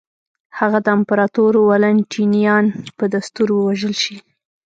هغه د امپراتور والنټینیان په دستور ووژل شي.